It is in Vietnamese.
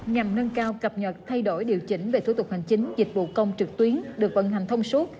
nhằm nâng cao cập nhật thay đổi điều chỉnh về thủ tục hành chính dịch vụ công trực tuyến được vận hành thông suốt